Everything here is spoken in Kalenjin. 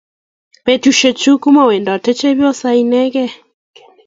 petusiek chuu kumawendatei chepyoso inekei